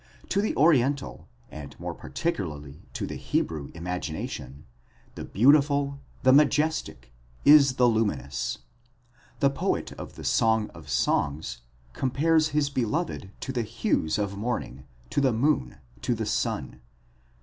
To the oriental, and more particularly to the Hebrew imagination, the beautiful, the majestic, is the luminous ; the poet of the Song of Songs compares his beloved to the hues of morning, to the moon, to the sun (vi.